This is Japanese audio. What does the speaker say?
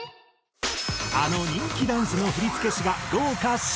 あの人気ダンスの振付師が豪華集結。